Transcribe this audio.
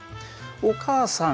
お母さん